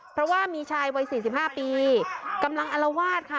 เพราะว่ามีชายเวยอยสี่สิบห้าปีกำลังอลวาดค่ะ